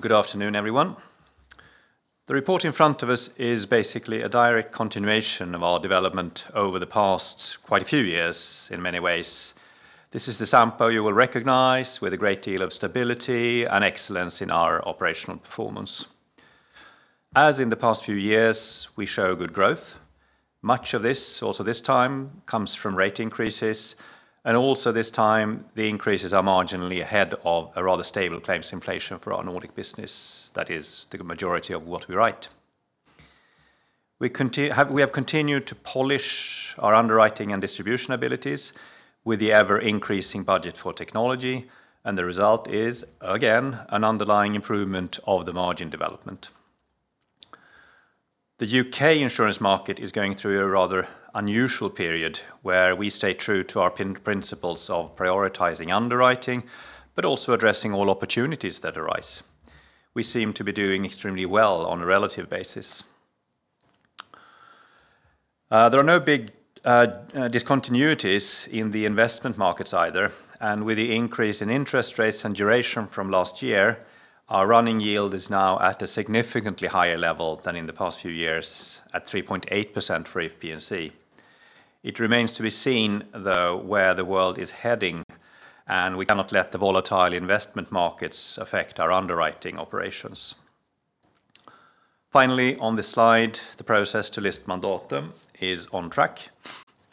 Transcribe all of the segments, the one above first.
Good afternoon, everyone. The report in front of us is basically a direct continuation of our development over the past quite a few years in many ways. This is the Sampo you will recognize, with a great deal of stability and excellence in our operational performance. As in the past few years, we show good growth. Much of this, also this time, comes from rate increases, and also this time, the increases are marginally ahead of a rather stable claims inflation for our Nordic business, that is the majority of what we write. We have continued to polish our underwriting and distribution abilities with the ever-increasing budget for technology, and the result is, again, an underlying improvement of the margin development. The UK insurance market is going through a rather unusual period, where we stay true to our principles of prioritizing underwriting, but also addressing all opportunities that arise. We seem to be doing extremely well on a relative basis. There are no big discontinuities in the investment markets either, and with the increase in interest rates and duration from last year, our running yield is now at a significantly higher level than in the past few years, at 3.8% for P&C. It remains to be seen, though, where the world is heading. We cannot let the volatile investment markets affect our underwriting operations. Finally, on this slide, the process to list Mandatum is on track.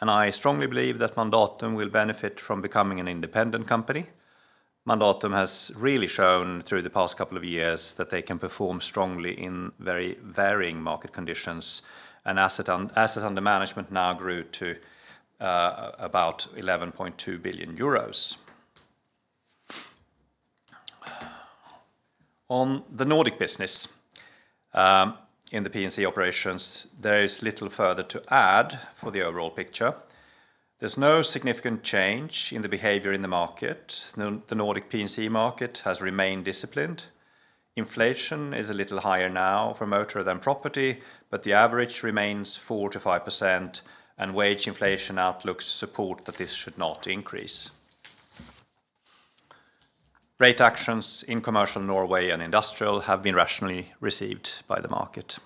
I strongly believe that Mandatum will benefit from becoming an independent company. Mandatum has really shown through the past couple of years that they can perform strongly in very varying market conditions. Asset under management now grew to about 11.2 billion euros. On the Nordic business, in the P&C operations, there is little further to add for the overall picture. There's no significant change in the behavior in the market. The Nordic P&C market has remained disciplined. Inflation is a little higher now for motor than property, but the average remains 4%-5%. Wage inflation outlooks support that this should not increase. Rate actions in commercial Norway and industrial have been rationally received by the market.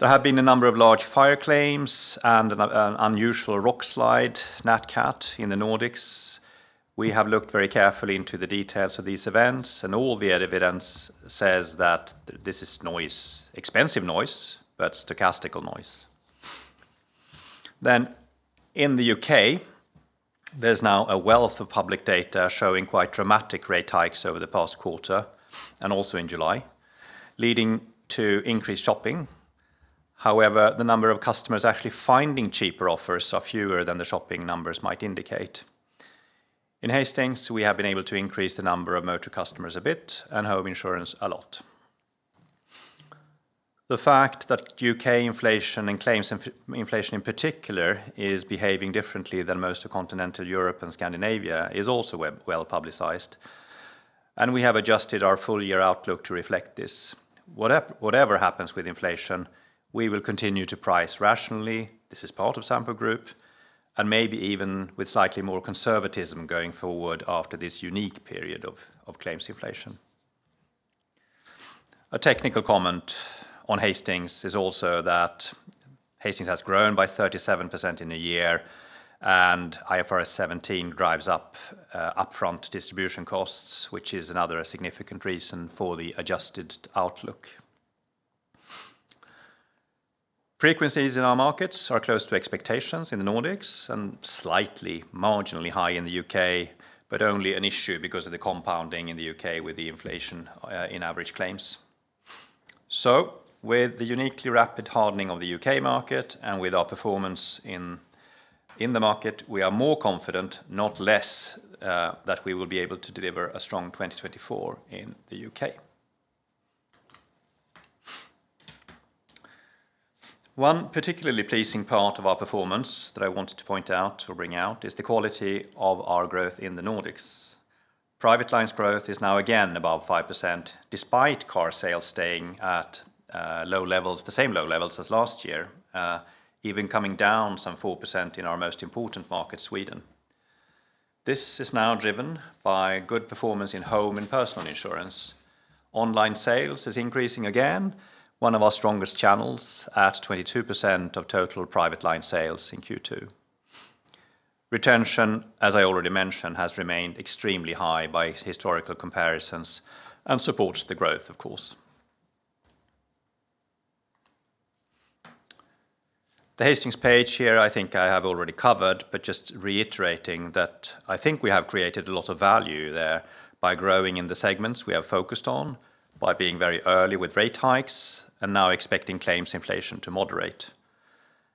There have been a number of large fire claims and an unusual rock slide, NatCat, in the Nordics. We have looked very carefully into the details of these events. All the evidence says that this is noise, expensive noise, but stochastical noise. In the U.K., there's now a wealth of public data showing quite dramatic rate hikes over the past quarter and also in July, leading to increased shopping. The number of customers actually finding cheaper offers are fewer than the shopping numbers might indicate. In Hastings, we have been able to increase the number of motor customers a bit and home insurance a lot. The fact that U.K. inflation and claims inflation, in particular, is behaving differently than most of continental Europe and Scandinavia is also well-publicized, and we have adjusted our full year outlook to reflect this. Whatever happens with inflation, we will continue to price rationally, this is part of Sampo Group, and maybe even with slightly more conservatism going forward after this unique period of claims inflation. A technical comment on Hastings is also that Hastings has grown by 37% in a year, and IFRS 17 drives up upfront distribution costs, which is another significant reason for the adjusted outlook. Frequencies in our markets are close to expectations in the Nordics and slightly, marginally high in the UK, but only an issue because of the compounding in the UK with the inflation in average claims. With the uniquely rapid hardening of the UK market and with our performance in, in the market, we are more confident, not less, that we will be able to deliver a strong 2024 in the UK. One particularly pleasing part of our performance that I wanted to point out or bring out, is the quality of our growth in the Nordics. Private lines growth is now again above 5%, despite car sales staying at low levels, the same low levels as last year, even coming down some 4% in our most important market, Sweden. This is now driven by good performance in home and personal insurance. Online sales is increasing again, one of our strongest channels, at 22% of total private line sales in Q2. Retention, as I already mentioned, has remained extremely high by historical comparisons and supports the growth, of course. The Hastings page here, I think I have already covered, but just reiterating that I think we have created a lot of value there by growing in the segments we have focused on, by being very early with rate hikes, and now expecting claims inflation to moderate.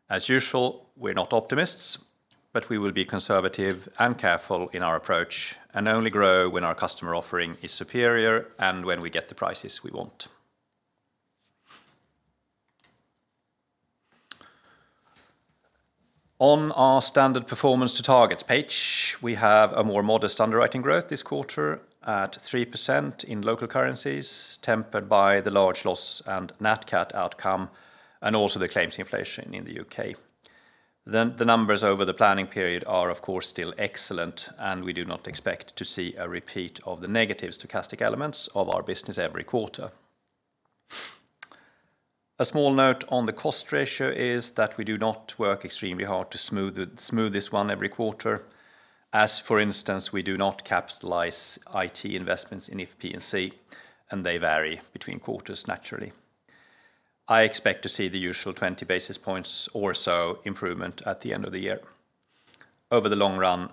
As usual, we're not optimists, but we will be conservative and careful in our approach and only grow when our customer offering is superior and when we get the prices we want. Our standard performance to targets page, we have a more modest underwriting growth this quarter at 3% in local currencies, tempered by the large loss and NatCat outcome, and also the claims inflation in the UK. The numbers over the planning period are, of course, still excellent, and we do not expect to see a repeat of the negative stochastic elements of our business every quarter. A small note on the cost ratio is that we do not work extremely hard to smooth this one every quarter, as, for instance, we do not capitalize IT investments in If P&C, and they vary between quarters, naturally. I expect to see the usual 20 basis points or so improvement at the end of the year. Over the long run,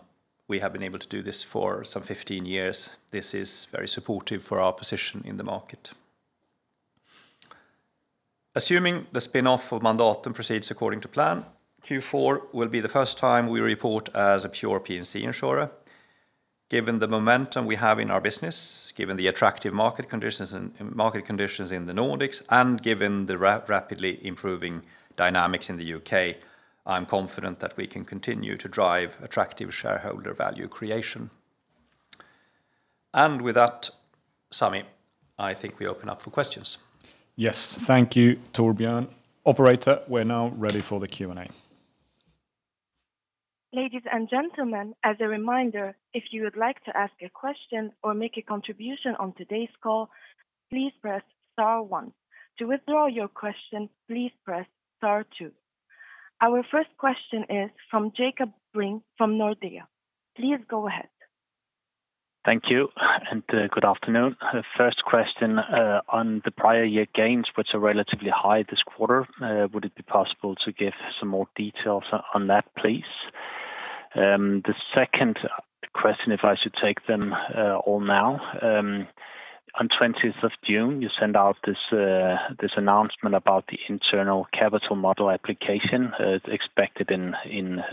we have been able to do this for some 15 years. This is very supportive for our position in the market. Assuming the spin-off of Mandatum proceeds according to plan, Q4 will be the first time we report as a pure P&C insurer. Given the momentum we have in our business, given the attractive market conditions and market conditions in the Nordics, and given the rapidly improving dynamics in the UK, I'm confident that we can continue to drive attractive shareholder value creation. With that, Sami, I think we open up for questions. Yes, thank you, Torbjörn. Operator, we're now ready for the Q&A. Ladies and gentlemen, as a reminder, if you would like to ask a question or make a contribution on today's call, please press star one. To withdraw your question, please press star two. Our first question is from Jakob Brink from Nordea. Please go ahead. Thank you, good afternoon. First question, on the prior year gains, which are relatively high this quarter, would it be possible to give some more details on, on that, please? The second question, if I should take them all now, on 20th of June, you sent out this announcement about the internal capital model application, expected in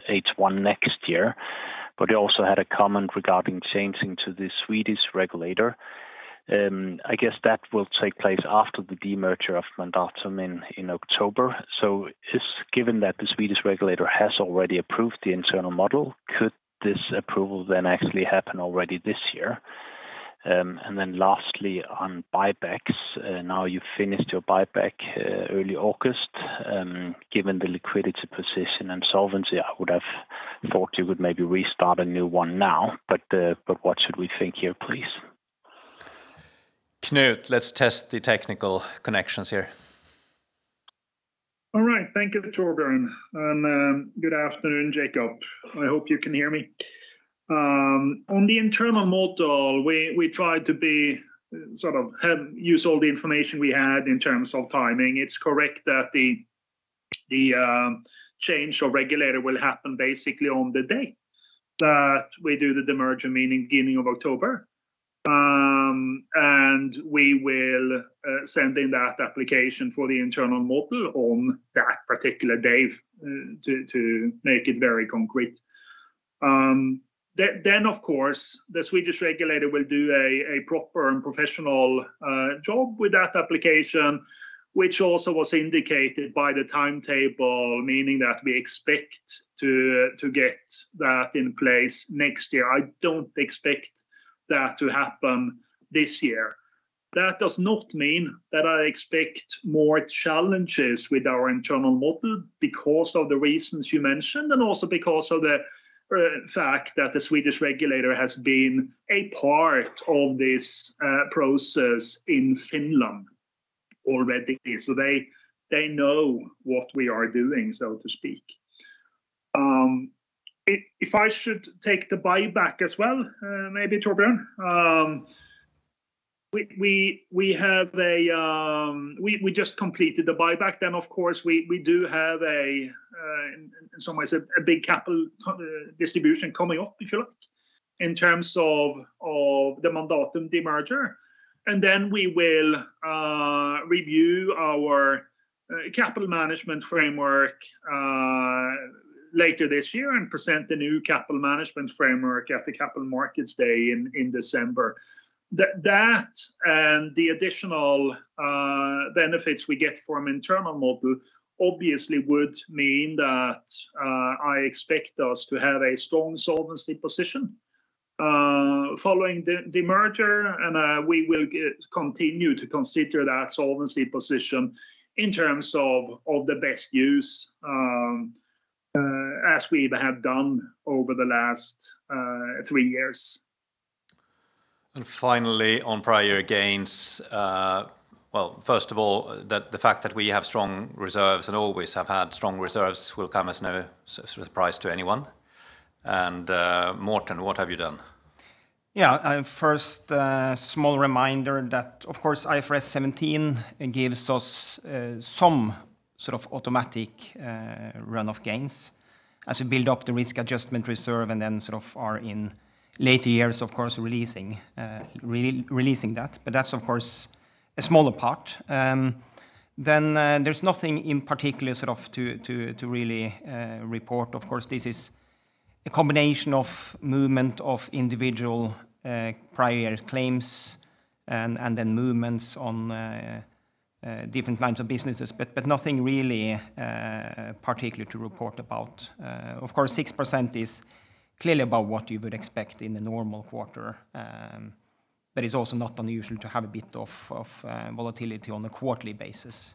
H1 next year, you also had a comment regarding changing to the Swedish regulator. I guess that will take place after the demerger of Mandatum in October. Just given that the Swedish regulator has already approved the internal model, could this approval then actually happen already this year? Lastly, on buybacks, now you've finished your buyback early August. Given the liquidity position and solvency, I would have thought you would maybe restart a new one now, but what should we think here, please? Knut, let's test the technical connections here. All right. Thank you, Torbjörn, and good afternoon, Jacob. I hope you can hear me. On the internal model, we, we tried to be, sort of, use all the information we had in terms of timing. It's correct that the, the, change of regulator will happen basically on the day that we do the demerger, meaning beginning of October. We will send in that application for the internal model on that particular day, to, to make it very concrete. Then, then, of course, the Swedish regulator will do a, a proper and professional job with that application, which also was indicated by the timetable, meaning that we expect to, to get that in place next year. I don't expect that to happen this year. That does not mean that I expect more challenges with our internal model because of the reasons you mentioned, and also because of the fact that the Swedish regulator has been a part of this process in Finland already. They, they know what we are doing, so to speak. If, if I should take the buyback as well, maybe, Torbjörn. We, we, we have a, we, we just completed the buyback. Of course, we, we do have a, in some ways, a big capital distribution coming up, if you like, in terms of the Mandatum demerger. Then we will review our capital management framework later this year and present the new capital management framework at the Capital Markets Day in December. That and the additional benefits we get from internal model obviously would mean that I expect us to have a strong solvency position following the demerger, and we will get continue to consider that solvency position in terms of the best use as we have done over the last three years. Finally, on prior gains, well, first of all, the fact that we have strong reserves and always have had strong reserves will come as no surprise to anyone. Morten, what have you done? Yeah, first, a small reminder that, of course, IFRS 17 gives us some sort of automatic run of gains as we build up the risk adjustment reserve and then sort of are in later years, of course, releasing that. That's, of course, a smaller part. There's nothing in particular sort of to really report. Of course, this is a combination of movement of individual prior claims and then movements on different lines of businesses, but nothing really particularly to report about. Of course, 6% is clearly about what you would expect in a normal quarter. It's also not unusual to have a bit of volatility on a quarterly basis.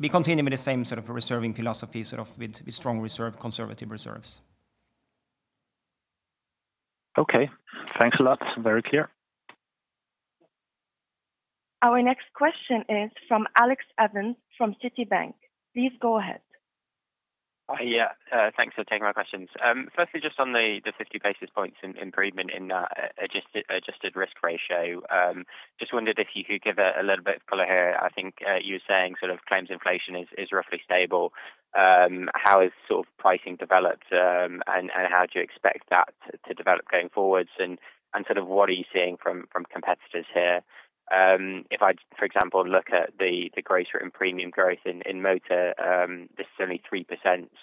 We continue with the same sort of reserving philosophy, sort of with strong reserve, conservative reserves. Okay, thanks a lot. Very clear. Our next question is from Alexander Evans from Citigroup. Please go ahead. Yeah, thanks for taking my questions. Firstly, just on the, the 50 basis points in improvement in, adjusted, adjusted risk ratio. Just wondered if you could give a, a little bit of color here. I think, you were saying sort of claims inflation is, is roughly stable. How is sort of pricing developed, and, and how do you expect that to develop going forward? And sort of what are you seeing from, from competitors here? If I, for example, look at the, the greater in premium growth in, in motor, this is only 3%.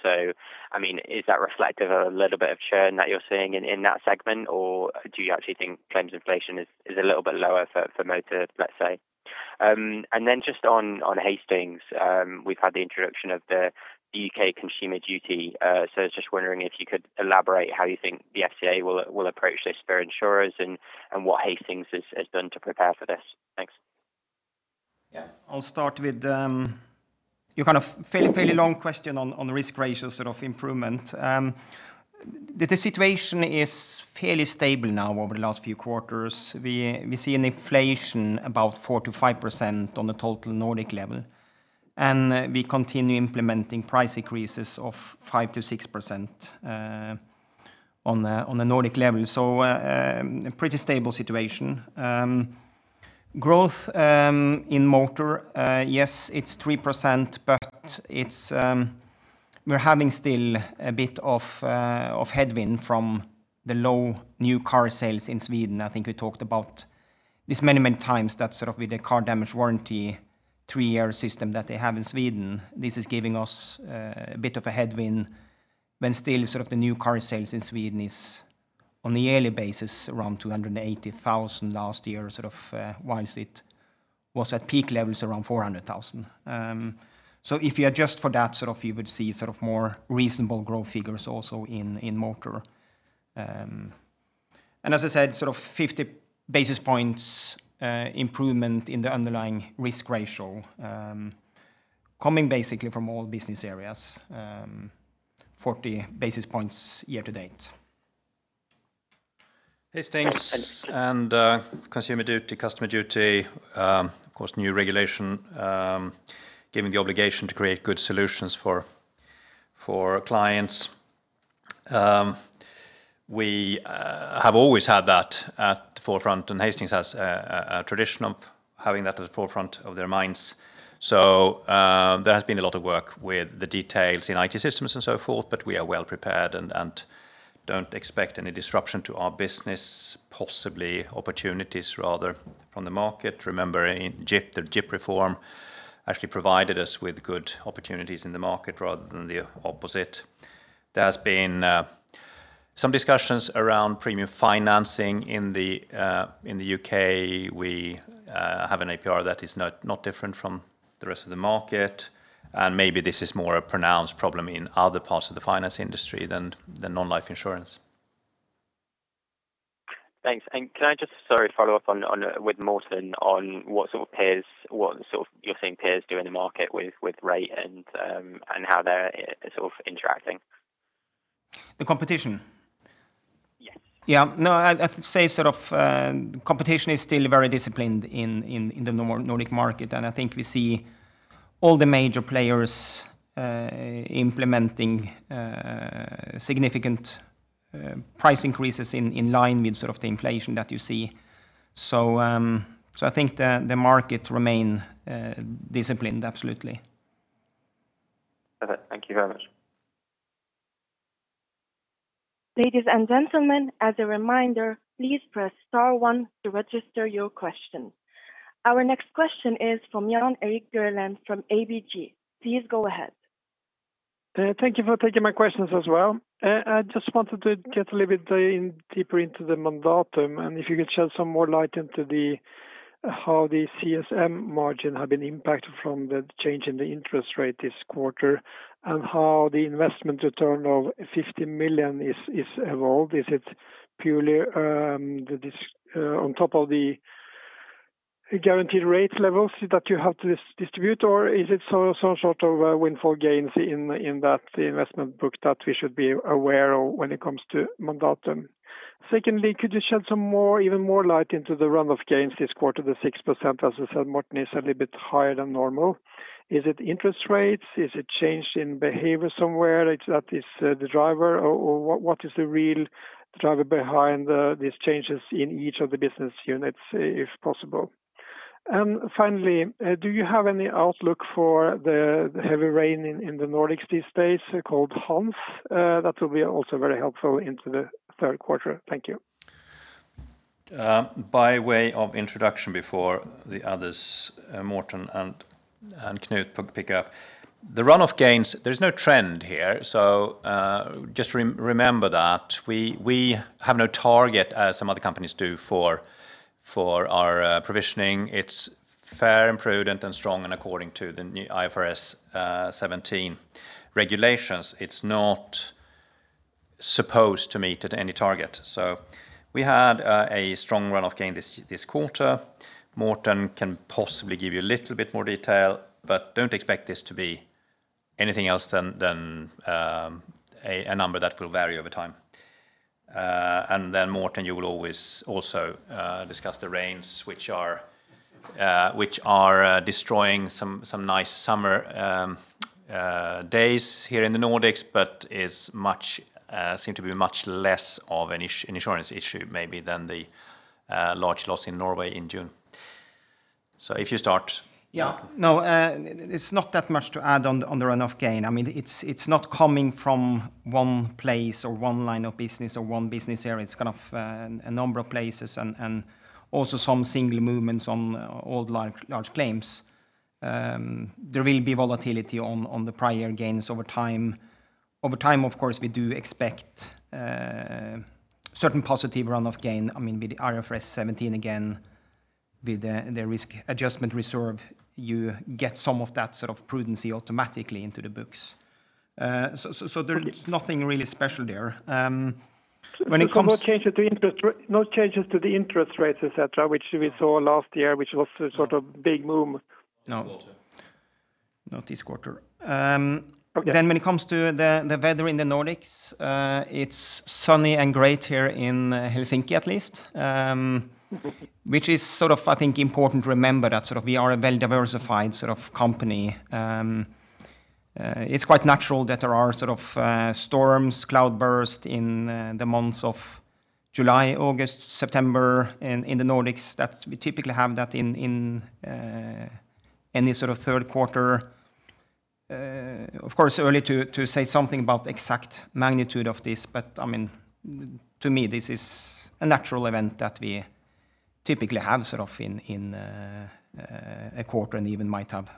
I mean, is that reflective of a little bit of churn that you're seeing in, in that segment, or do you actually think claims inflation is, is a little bit lower for, for motor, let's say? And then just on, on Hastings, we've had the introduction of the UK Consumer Duty, so I was just wondering if you could elaborate how you think the FCA will approach this for insurers and what Hastings has done to prepare for this. Thanks. Yeah. I'll start with your kind of fairly, fairly long question on the risk ratio sort of improvement. The situation is fairly stable now over the last few quarters. We see an inflation about 4%-5% on the total Nordic level, and we continue implementing price increases of 5%-6% on the Nordic level. A pretty stable situation. Growth in motor, yes, it's 3%, but it's, we're having still a bit of headwind from the low new car sales in Sweden. I think we talked about this many, many times, that sort of with the car damage warranty, three-year system that they have in Sweden, this is giving us a bit of a headwind when still sort of the new car sales in Sweden is, on a yearly basis, around 280,000 last year, sort of, whilst it was at peak levels, around 400,000. If you adjust for that, sort of, you would see sort of more reasonable growth figures also in, in motor. As I said, sort of 50 basis points improvement in the underlying risk ratio, coming basically from all business areas, 40 basis points year to date. Hastings and Consumer Duty, customer duty, of course, new regulation, giving the obligation to create good solutions for, for clients. We have always had that at the forefront, and Hastings has a, a, a tradition of having that at the forefront of their minds. There has been a lot of work with the details in IT systems and so forth, but we are well prepared and don't expect any disruption to our business, possibly opportunities rather from the market. Remember, in GIPP, the GIPP reform actually provided us with good opportunities in the market rather than the opposite. There has been some discussions around premium financing in the UK. We have an APR that is not, not different from the rest of the market, and maybe this is more a pronounced problem in other parts of the finance industry than the non-life insurance. Thanks. Can I just, sorry, follow up on with Morten on what sort of peers, what sort of you're seeing peers do in the market with rate and how they're sort of interacting? The competition? Yes. Yeah. No, I'd, I'd say sort of, competition is still very disciplined in, in, in the Nordic market, and I think we see all the major players, implementing, significant, price increases in, in line with sort of the inflation that you see. I think the, the market remain, disciplined. Absolutely. Perfect. Thank you very much. Ladies and gentlemen, as a reminder, please press star one to register your question. Our next question is from Jan Erik Gjerland from ABG. Please go ahead. Thank you for taking my questions as well. I just wanted to get a little bit in deeper into the Mandatum, and if you could shed some more light into the, how the CSM margin have been impacted from the change in the interest rate this quarter, and how the investment return of 50 million is, is evolved. Is it purely the this on top of the guaranteed rate levels that you have to distribute, or is it some, some sort of a windfall gains in that investment book that we should be aware of when it comes to Mandatum? Secondly, could you shed some more, even more light into the run of gains this quarter, the 6%, as you said, Morten, is a little bit higher than normal. Is it interest rates? Is it change in behavior somewhere that is the driver? Or, what is the real driver behind these changes in each of the business units, if possible? Finally, do you have any outlook for the heavy rain in the Nordics these days called Hans? That will be also very helpful into the third quarter. Thank you. By way of introduction before the others, Morten and Knut pick up. The run of gains, there's no trend here, just remember that. We, we have no target, as some other companies do, for our provisioning, it's fair and prudent and strong, and according to the new IFRS 17 regulations, it's not supposed to meet at any target. We had a strong run of gain this, this quarter. Morten can possibly give you a little bit more detail, but don't expect this to be anything else than, than a, a number that will vary over time. Morten, you will always also discuss the rains, which are which are destroying some nice summer days here in the Nordics, but is much seem to be much less of an insurance issue, maybe than the large loss in Norway in June. If you start. Yeah, no, it's not that much to add on, on the run of gain. I mean, it's, it's not coming from one place or one line of business or one business area. It's kind of a number of places and also some single movements on old, large, large claims. There will be volatility on, on the prior gains over time. Over time, of course, we do expect certain positive run of gain. I mean, with the IFRS 17, again, with the, the risk adjustment reserve, you get some of that sort of prudency automatically into the books. There's nothing really special there. When it comes. No changes to the interest rates, et cetera, which we saw last year, which was a sort of big move? No. This quarter. Not this quarter. Okay. When it comes to the weather in the Nordics, it's sunny and great here in Helsinki, at least. Which is sort of, I think, important to remember that sort of we are a well-diversified sort of company. It's quite natural that there are sort of, storms, cloudburst in the months of July, August, September, in the Nordics. We typically have that in any sort of third quarter. Of course, early to say something about the exact magnitude of this, but I mean, to me, this is a natural event that we typically have sort of in a quarter and even might have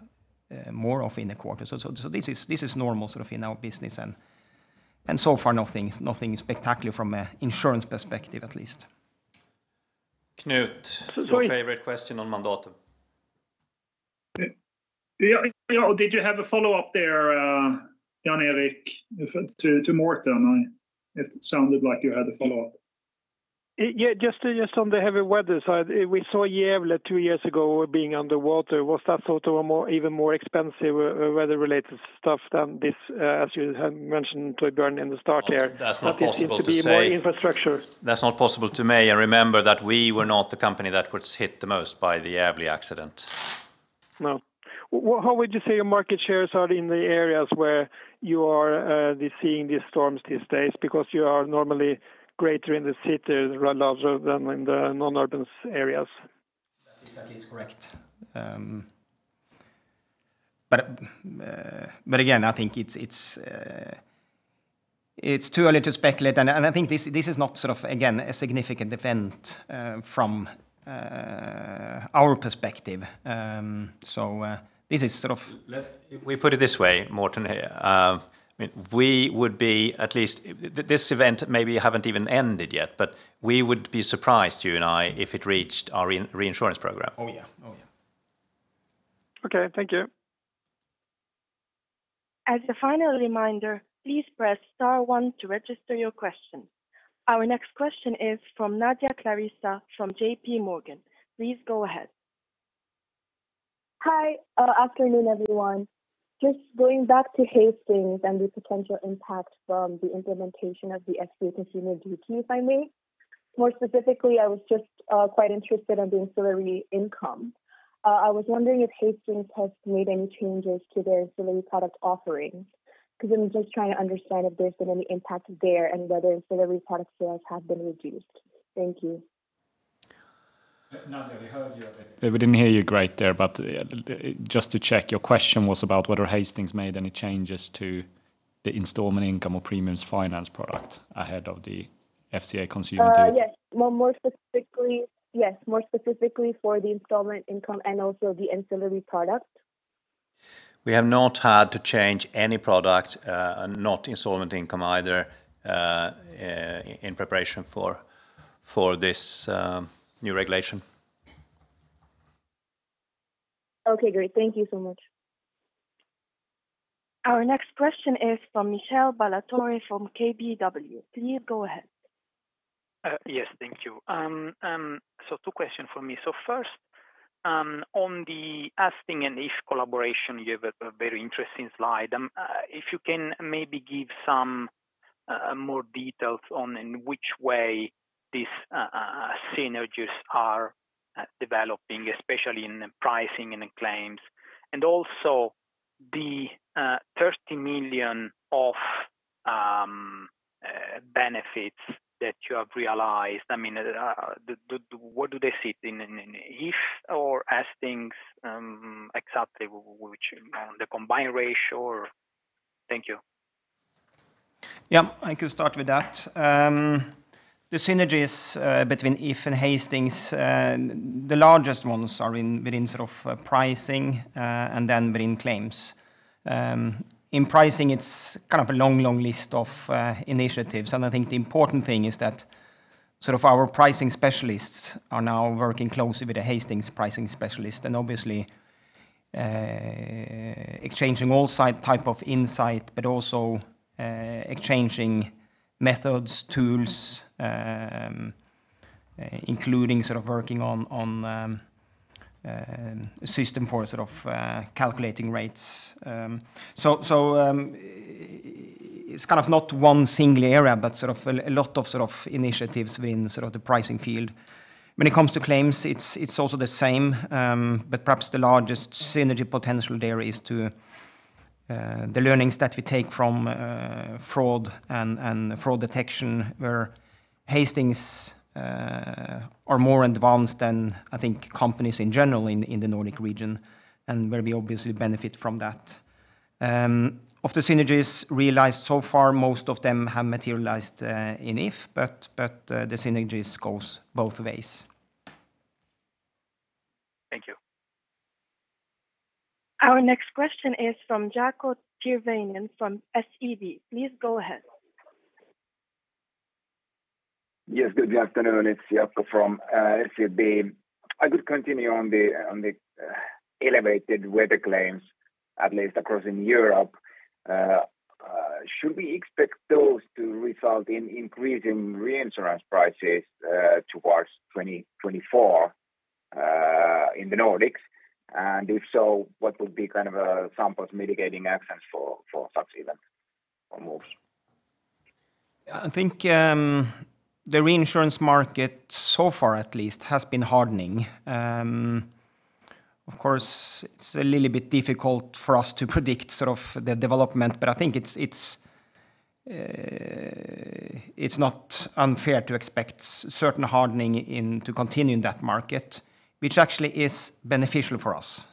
more of in a quarter. This is normal sort of in our business, and so far, nothing is spectacular from an insurance perspective, at least. Knut, your favorite question on Mandatum. Yeah, did you have a follow-up there, Jan Erik, to, to Morten? It sounded like you had a follow-up. Yeah, just, just on the heavy weather side, we saw Gävle two years ago being underwater. Was that sort of a more, even more expensive, weather-related stuff than this, as you had mentioned to Björn in the start here? That's not possible to say. That it seems to be more infrastructure. That's not possible to me, and remember that we were not the company that was hit the most by the Gävle accident. No. Well, how would you say your market shares are in the areas where you are seeing these storms these days? You are normally greater in the cities rather larger than in the non-urban areas. That is, that is correct. Again, I think it's, it's, it's too early to speculate, and, and I think this, this is not sort of, again, a significant event, from, our perspective. This is sort of- Let we put it this way, Morten here. We would be at least... This event maybe haven't even ended yet, but we would be surprised, you and I, if it reached our reinsurance program. Oh, yeah. Oh, yeah. Okay, thank you. As a final reminder, please press Star one to register your question. Our next question is from Nadia Ciarrocchi, from J.P. Morgan. Please go ahead. Hi. Afternoon, everyone. Just going back to Hastings and the potential impact from the implementation of the FCA Consumer Duty, if I may. More specifically, I was just quite interested in the ancillary income. I was wondering if Hastings has made any changes to their ancillary product offerings, because I'm just trying to understand if there's been any impact there and whether ancillary product sales have been reduced. Thank you. Nadia, we heard you, but we didn't hear you great there. Just to check, your question was about whether Hastings made any changes to the installment income or premiums finance product ahead of the FCA Consumer Duty? Yes. Well, more specifically. Yes, more specifically for the installment income and also the ancillary product. We have not had to change any product, not installment income either, in preparation for, for this, new regulation. Okay, great. Thank you so much. Our next question is from Michele Ballatore, from KBW. Please go ahead. Yes, thank you. Two questions from me. First, on the Hastings and If collaboration, you have a very interesting slide. If you can maybe give some more details on in which way this synergies are developing, especially in the pricing and the claims, and also the 30 million of benefits that you have realized. I mean, where do they sit, in If or Hastings, exactly which the combined ratio or? Thank you. Yeah, I can start with that. The synergies between If and Hastings, the largest ones are in, within sort of pricing, and then within claims. In pricing, it's kind of a long, long list of initiatives. I think the important thing is that sort of our pricing specialists are now working closely with the Hastings pricing specialist, and obviously, exchanging all side type of insight, but also, exchanging methods, tools, including sort of working on, on, system for sort of, calculating rates. So, it's kind of not one single area, but sort of a, a lot of sort of initiatives in sort of the pricing field. When it comes to claims, it's also the same, but perhaps the largest synergy potential there is to the learnings that we take from fraud and fraud detection, where Hastings are more advanced than, I think, companies in general in the Nordic region, and where we obviously benefit from that. Of the synergies realized so far, most of them have materialized in If, but the synergies goes both ways. Thank you. Our next question is from Jaakko Tyrväinen from SEB. Please go ahead. Yes, good afternoon. It's Jaakko from SEB. I could continue on the, on the elevated weather claims, at least across in Europe. Should we expect those to result in increasing reinsurance prices towards 2024 in the Nordics? If so, what would be kind of Sampo's mitigating actions for such event or moves? I think the reinsurance market, so far at least, has been hardening. Of course, it's a little bit difficult for us to predict sort of the development, but I think it's, it's, it's not unfair to expect certain hardening in to continue in that market, which actually is beneficial for us.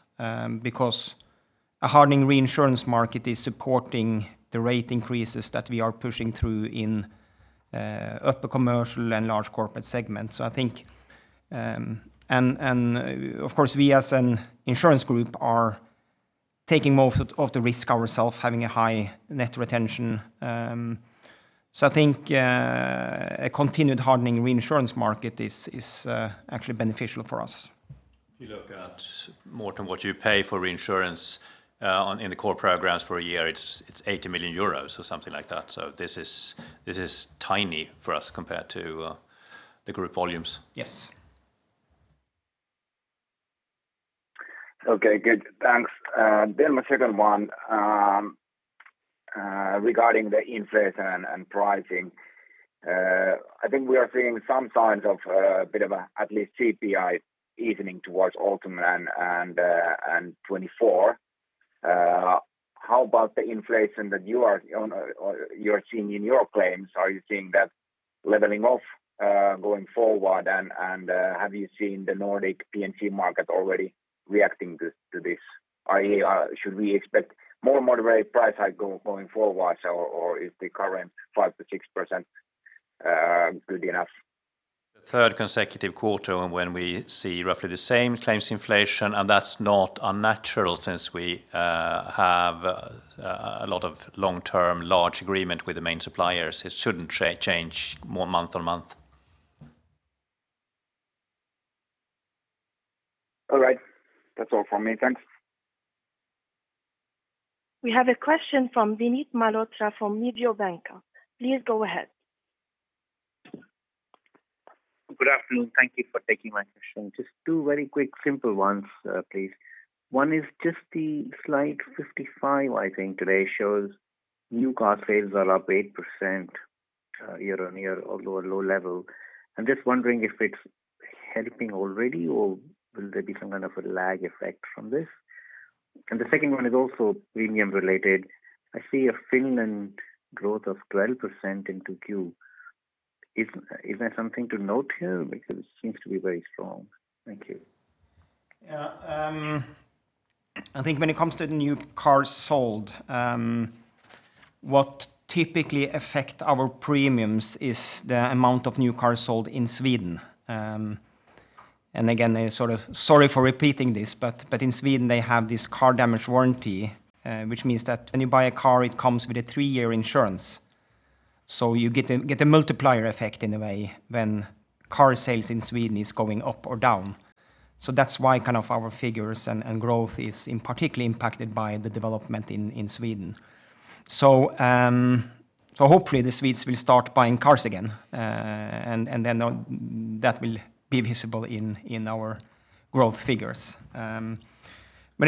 Because a hardening reinsurance market is supporting the rate increases that we are pushing through in upper commercial and large corporate segments. I think, of course, we as an insurance group, are taking most of the risk ourselves, having a high net retention. I think a continued hardening reinsurance market is, is, actually beneficial for us. If you look at more than what you pay for reinsurance, on in the core programs for a year, it's, it's 80 million euros or something like that. This is, this is tiny for us compared to, the group volumes. Yes. Okay, good. Thanks. Then my second one, regarding the inflation and, and pricing, I think we are seeing some signs of a bit of a at least CPI evening towards autumn and, and 2024. How about the inflation that you are on, or you're seeing in your claims? Are you seeing that leveling off, going forward, and, and have you seen the Nordic P&C market already reacting to, to this? Are you, should we expect more moderate price hike going forward, or, or is the current 5%-6% good enough? The third consecutive quarter when we see roughly the same claims inflation. That's not unnatural since we have a lot of long-term, large agreement with the main suppliers. It shouldn't change more month-on-month. All right. That's all from me. Thanks. We have a question from Vinit Malhotra from Mediobanca. Please go ahead. Good afternoon. Thank you for taking my question. Just two very quick simple ones, please. One is just the slide 55, I think today shows new car sales are up 8% year-on-year, although a low level. I'm just wondering if it's helping already, or will there be some kind of a lag effect from this? The second one is also premium related. I see a Finland growth of 12% in 2Q. Is there something to note here? Because it seems to be very strong. Thank you. I think when it comes to the new cars sold, what typically affect our premiums is the amount of new cars sold in Sweden. Again, they sort of... Sorry for repeating this, but in Sweden, they have this car damage warranty, which means that when you buy a car, it comes with a 3-year insurance. You get a, get a multiplier effect in a way when car sales in Sweden is going up or down. That's why kind of our figures and, and growth is in particularly impacted by the development in, in Sweden. Hopefully, the Swedes will start buying cars again, and then that will be visible in, in our growth figures. When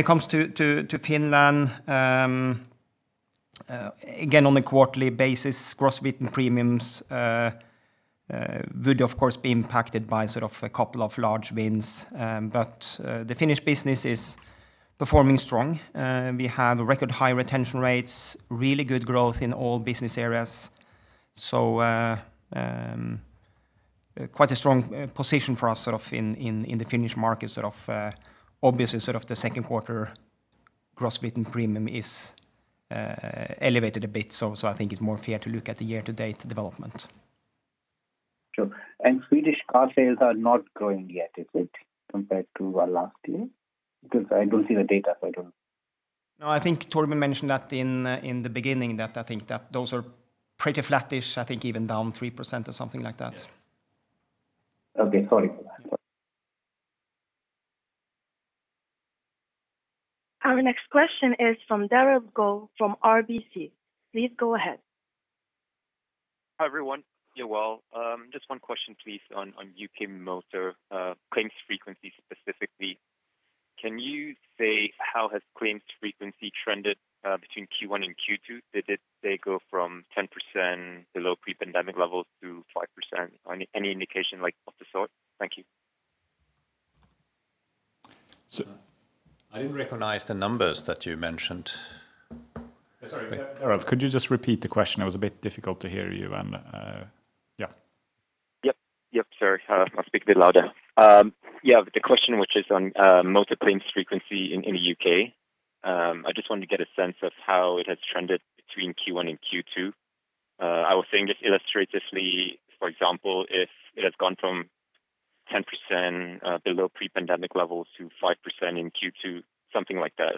it comes to, to, to Finland, again, on a quarterly basis, gross written premiums would of course, be impacted by sort of a couple of large wins. The Finnish business is performing strong. We have record high retention rates, really good growth in all business areas. Quite a strong position for us, sort of in, in, in the Finnish market, sort of, obviously, sort of the second quarter gross written premium is elevated a bit. So I think it's more fair to look at the year-to-date development. Sure. Swedish car sales are not growing yet, is it, compared to last year? Because I don't see the data, so I don't- No, I think Torbjörn mentioned that in, in the beginning, that I think that those are pretty flattish, I think even down 3% or something like that. Okay, sorry for that. Our next question is from Darragh Quinn from RBC. Please go ahead. Hi, everyone. Joel, just one question, please, on, on UK motor, claims frequency specifically. Can you say how has claims frequency trended between Q1 and Q2? Did they go from 10% below pre-pandemic levels to 5%, any indication like of the sort? Thank you. I didn't recognize the numbers that you mentioned. Sorry, could you just repeat the question? It was a bit difficult to hear you, yeah. Yep. Yep, sure. I'll speak a bit louder. Yeah, the question, which is on motor claims frequency in the UK, I just wanted to get a sense of how it has trended between Q1 and Q2. I was saying just illustratively, for example, if it has gone from 10%, below pre-pandemic levels to 5% in Q2, something like that.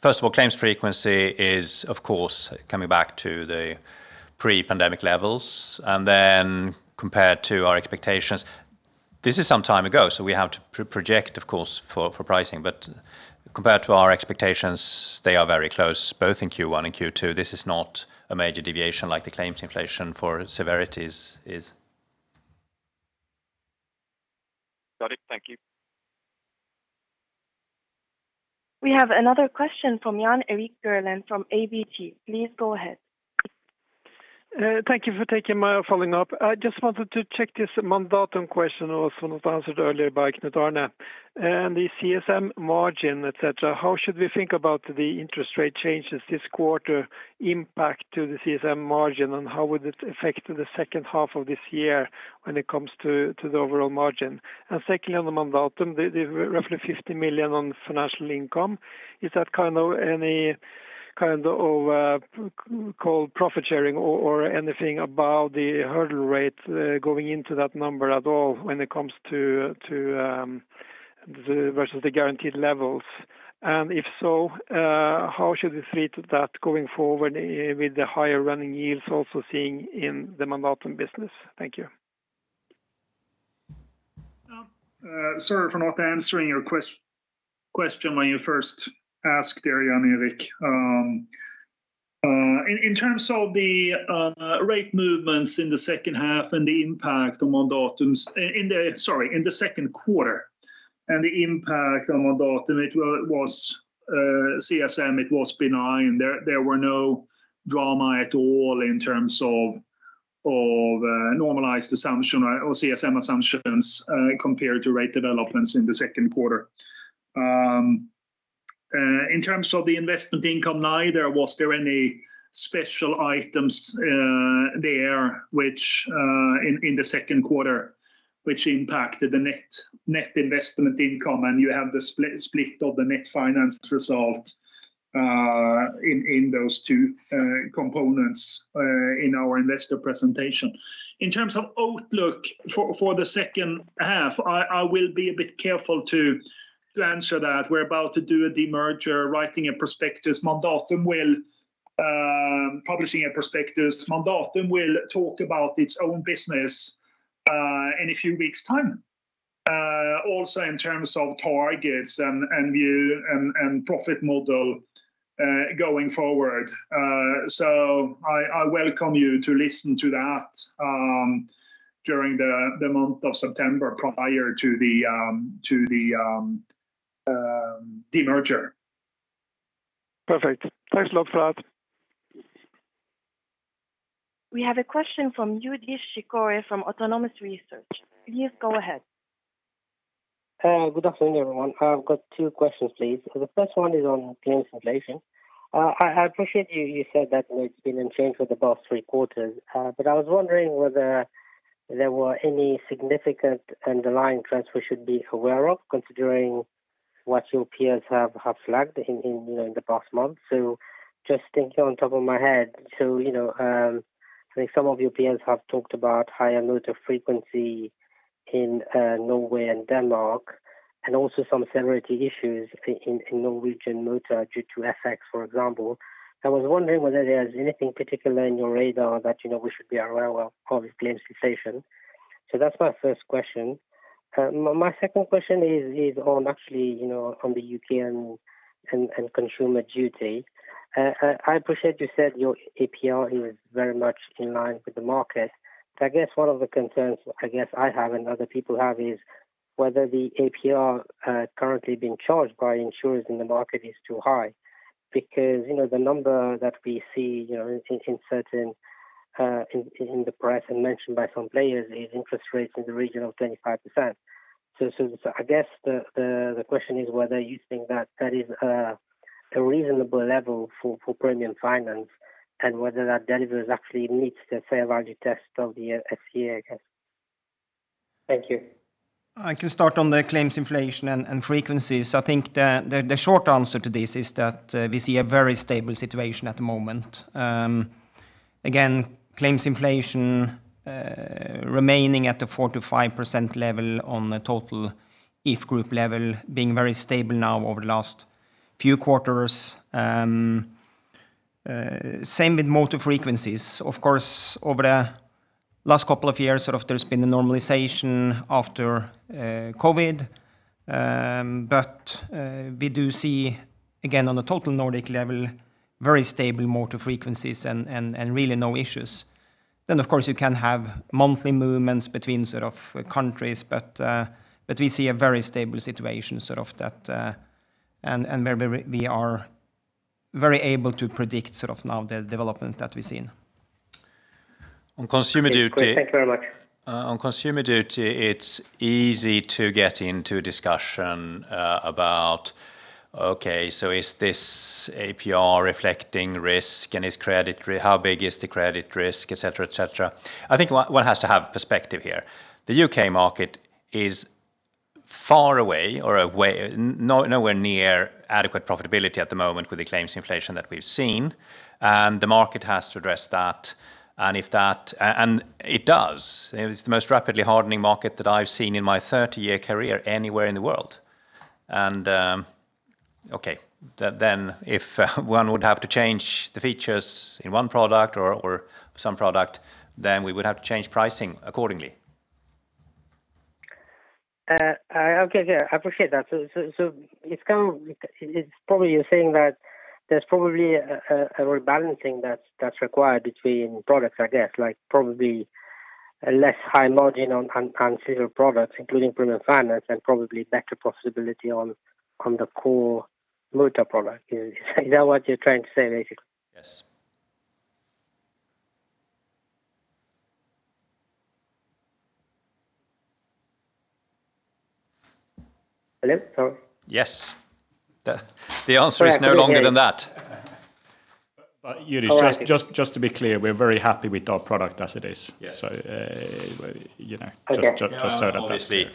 First of all, claims frequency is, of course, coming back to the pre-pandemic levels. Compared to our expectations, this is some time ago, so we have to project, of course, for pricing. Compared to our expectations, they are very close, both in Q1 and Q2. This is not a major deviation, like the claims inflation for severities is. Got it. Thank you. We have another question from Jan Erik Gjerland from ABG. Please go ahead. Thank you for taking my following up. I just wanted to check this Mandatum question also not answered earlier by Knut Arne. The CSM margin, et cetera, how should we think about the interest rate changes this quarter impact to the CSM margin, and how would it affect the second half of this year when it comes to the overall margin? Secondly, on the Mandatum, the roughly 50 million on financial income, is that kind of any kind of called profit sharing or anything above the hurdle rate going into that number at all when it comes to versus the guaranteed levels? If so, how should we treat that going forward with the higher running yields also seeing in the Mandatum business? Thank you. Sorry for not answering your question when you first asked there, Jan Eric. In terms of the rate movements in the second half and the impact on Mandatum's. In the, sorry, in the second quarter, and the impact on Mandatum, it was CSM, it was benign. There were no drama at all in terms of normalized assumption or CSM assumptions compared to rate developments in the second quarter. In terms of the investment income, neither was there any special items there, which in the second quarter, which impacted the net investment income, and you have the split of the net finance result in those two components in our investor presentation. In terms of outlook for, for the second half, I, I will be a bit careful to answer that. We're about to do a demerger, writing a prospectus. Mandatum will publishing a prospectus. Mandatum will talk about its own business in a few weeks' time. Also in terms of targets and, and view and, and profit model going forward. I, I welcome you to listen to that during the, the month of September, prior to the, to the, demerger. Perfect. Thanks a lot for that. We have a question from Yudish Chicooree from Autonomous Research. Please go ahead. Good afternoon, everyone. I've got two questions, please. The first one is on claims inflation. I, I appreciate you, you said that it's been in change for the past three quarters. I was wondering whether there were any significant underlying trends we should be aware of, considering what your peers have, have flagged in, in, you know, in the past month. Just thinking on top of my head, so, you know, I think some of your peers have talked about higher motor frequency in Norway and Denmark, and also some severity issues in Norwegian motor due to FX, for example. I was wondering whether there's anything particular in your radar that, you know, we should be aware of on this claims inflation. That's my first question. My, my second question is, is on actually, you know, on the UK and, and, and Consumer Duty. I appreciate you said your APR is very much in line with the market. I guess one of the concerns, I guess, I have and other people have is whether the APR, currently being charged by insurers in the market is too high. You know, the number that we see, you know, in, in certain, in, in the press and mentioned by some players, is interest rates in the region of 25%. I guess the, the, the question is whether you think that that is, a reasonable level for, for premium finance, and whether that delivers actually meets the fair value test of the FCA, I guess? Thank you. I can start on the claims inflation and, and frequencies. I think the, the, the short answer to this is that we see a very stable situation at the moment. Again, claims inflation, remaining at the 4%-5% level on the total If Group level, being very stable now over the last few quarters. Same with motor frequencies. Of course, over the last couple of years, sort of there's been a normalization after COVID, but we do see, again, on the total Nordic level, very stable motor frequencies and, and, and really no issues. Of course, you can have monthly movements between sort of countries, but we see a very stable situation, sort of that, and, and where we, we are very able to predict sort of now the development that we've seen. On Consumer Duty. Great. Thank you very much. On Consumer Duty, it's easy to get into a discussion about, okay, so is this APR reflecting risk? Is credit, how big is the credit risk, et cetera, et cetera. I think one, one has to have perspective here. The U.K. market is far away or away, nowhere near adequate profitability at the moment with the claims inflation that we've seen, the market has to address that. If that... It does. It is the most rapidly hardening market that I've seen in my 30-year career, anywhere in the world. Okay, then, then if one would have to change the features in one product or, or some product, then we would have to change pricing accordingly. Okay, yeah, I appreciate that. So, so, so it's kind of... It, it's probably you're saying that there's probably a, a, a rebalancing that's, that's required between products, I guess, like probably a less high margin on, on, on several products, including premium finance, and probably better possibility on, on the core motor product. Is, is that what you're trying to say, basically? Yes. Hello? Sorry. Yes. The, the answer is no longer than that. Yudish, just to be clear, we're very happy with our product as it is. Yes. you know, Okay. Just, just so that that's- Obviously,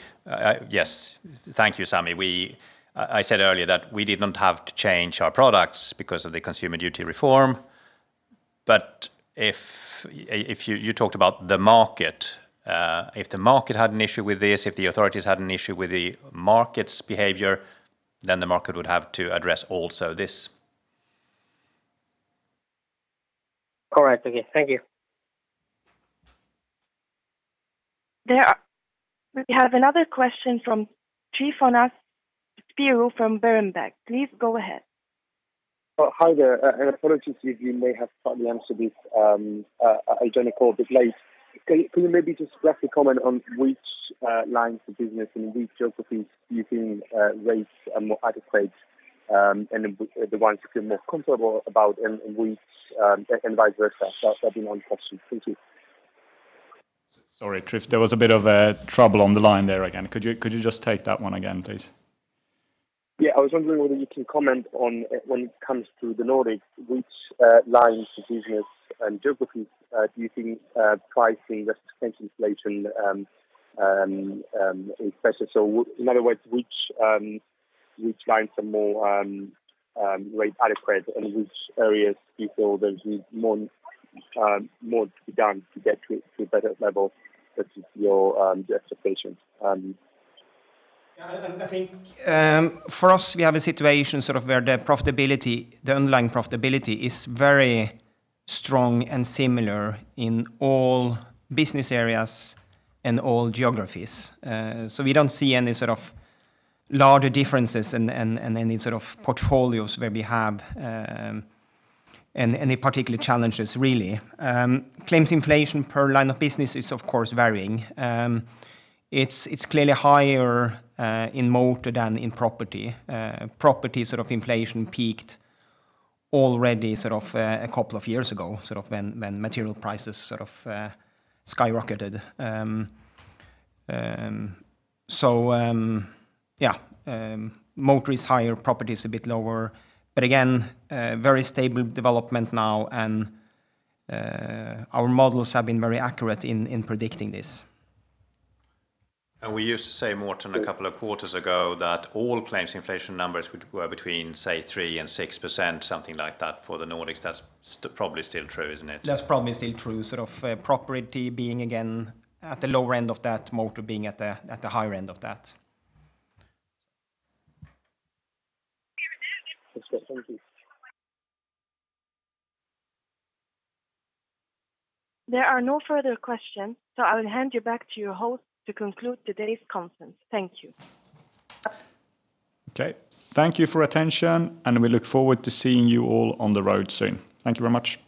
yes. Thank you, Sami. I, I said earlier that we did not have to change our products because of the Consumer Duty reform. If you, you talked about the market, if the market had an issue with this, if the authorities had an issue with the market's behavior, then the market would have to address also this. All right. Okay. Thank you. We have another question from Tryfonas Spyrou from Berenberg. Please go ahead. Hi there. Apologies if you may have partly answered this, I joined the call a bit late. Can you maybe just briefly comment on which lines of business and which geographies you think rates are more adequate, and the ones you feel more comfortable about and which and vice versa? That'll be one question. Thank you. Sorry, Tryfonas, there was a bit of a trouble on the line there again. Could you, could you just take that one again, please? Yeah. I was wondering whether you can comment on, when it comes to the Nordics, which lines of business and geographies do you think pricing versus inflation is better? In other words, which lines are more rate adequate and which areas do you feel there is more to be done to get to, to a better level versus your expectations? Yeah, I think, for us, we have a situation sort of where the profitability, the underlying profitability is very strong and similar in all business areas and all geographies. We don't see any sort of larger differences and, and, and any sort of portfolios where we have, any, any particular challenges, really. Claims inflation per line of business is, of course, varying. It's, it's clearly higher in motor than in property. Property sort of inflation peaked already sort of, two years ago, sort of when, when material prices sort of, skyrocketed. Yeah, motor is higher, property is a bit lower, but again, a very stable development now, and our models have been very accurate in, in predicting this. We used to say, Morten, a couple of quarters ago, that all claims inflation numbers were between, say, 3% and 6%, something like that, for the Nordics. That's probably still true, isn't it? That's probably still true, sort of, property being again at the lower end of that, motor being at the higher end of that. Next question, please. There are no further questions, so I will hand you back to your host to conclude today's conference. Thank you. Okay. Thank you for your attention, and we look forward to seeing you all on the road soon. Thank you very much.